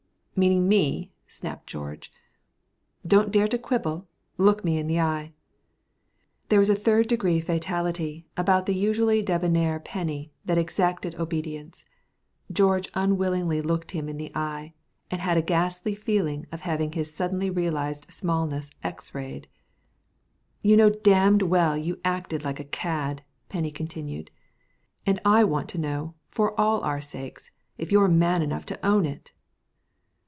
"Meaning me?" snapped George. "Don't dare to quibble. Look me in the eye." There was a third degree fatality about the usually debonair Penny that exacted obedience. George unwillingly looked him in the eye, and had a ghastly feeling of having his suddenly realized smallness X rayed. "You know damned well you acted like a cad," Penny continued, "and I want to know, for all our sakes, if you're man enough to own it?"